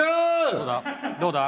どうだ？